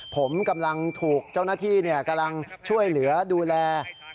ผมกำลังถูกเจ้าหน้าที่กำลังช่วยเหลือดูแล